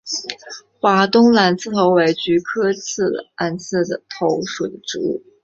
华东蓝刺头为菊科蓝刺头属的植物。